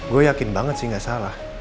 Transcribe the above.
gue yakin banget sih gak salah